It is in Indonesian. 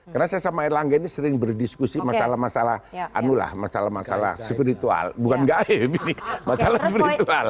karena saya sama erlangga ini sering berdiskusi masalah masalah anulah masalah masalah spiritual bukan gaib ini masalah spiritual